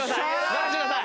任してください。